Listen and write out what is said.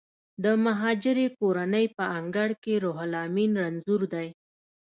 د مهاجرې کورنۍ په انګړ کې روح لامین رنځور دی